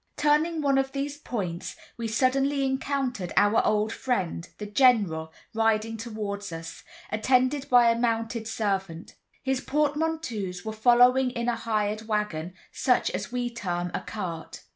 Turning one of these points, we suddenly encountered our old friend, the General, riding towards us, attended by a mounted servant. His portmanteaus were following in a hired wagon, such as we term a cart.